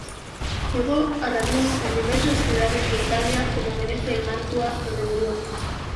Llegó a rabino en diversas ciudades de Italia, como Venecia y Mantua, donde murió.